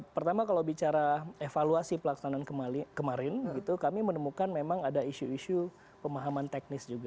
pertama kalau bicara evaluasi pelaksanaan kemarin kami menemukan memang ada isu isu pemahaman teknis juga